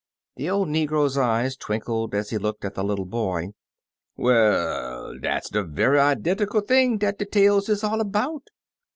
The old negro's eyes twin kled as he looked at the little boy. "Well, dat 's de ve'y identual thing dat de tales is all about.